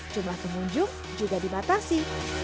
jumlah pengunjung juga dimatasi